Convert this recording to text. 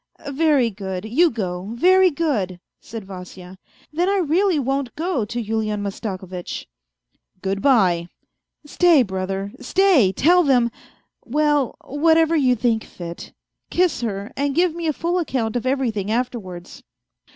... Very good, you go, very good," said Vasya, " then I really won't go to Yulian Mastakovitch." " Good bye." " Stay, brother, stay, tell them ... well, whatever you think fit. Kiss her. .. and give me a full account of everything afterwards."